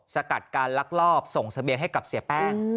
สกัดการลักลอบส่งเสบียงให้กับเสียแป้ง